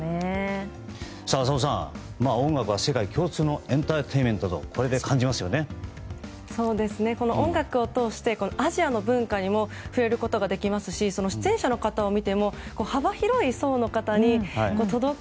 浅尾さん、音楽は世界共通のエンターテインメントと音楽を通してアジアの文化にも触れることができるし出演者を見ても幅広い層に届く